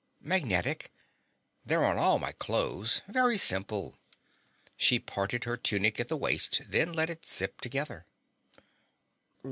"Magnetic. They're on all my clothes. Very simple." She parted her tunic to the waist, then let it zip together.